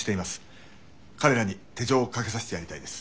彼らに手錠をかけさせてやりたいです。